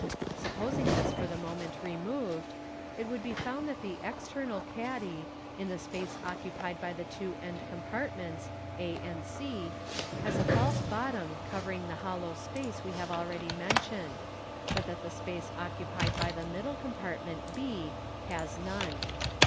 Supposing this for the moment removed, it would be found that the external caddy, in the space occu pied by the two end compartments, a and c, has a false bottom covering the hollow space we have already mentioned, but that the space occupied by the middle compart Fig. 186. ment I has none.